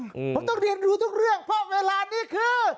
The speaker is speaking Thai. ผมต้องเรียนรู้ทุกเรื่องเพราะเวลานี้คือ